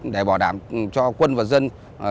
để bảo đảm cho quân và dân